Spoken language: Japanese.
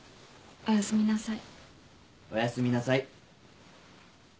おやすみなさい。